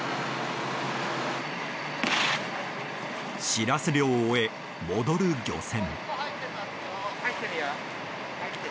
シラス漁を終え、戻る漁船。